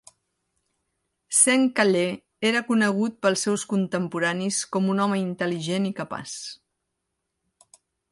St-Calais era conegut pels seus contemporanis com un home intel.ligent i capaç.